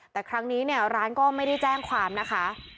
แต่ครั้งนี้เนี่ยร้านก็ไม่ได้แจ้งความนะคะ